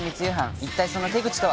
一体その手口とは？